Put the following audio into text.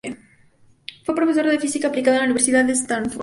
Fue profesor de Física Aplicada en la Universidad de Stanford.